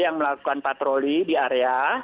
yang melakukan patroli di area